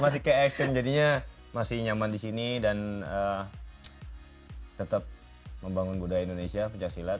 masih kayak action jadinya masih nyaman di sini dan tetap membangun budaya indonesia pencaksilat